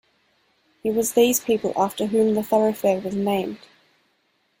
It was these people after whom the thoroughfare was named.